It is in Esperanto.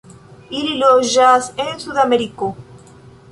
Ili loĝas en Sudameriko.